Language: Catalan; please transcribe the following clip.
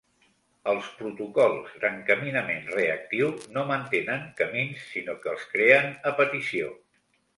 Els protocols d'encaminament reactiu no mantenen camins sinó que els creen a petició.